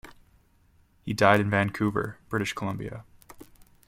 He died in Vancouver, British Columbia.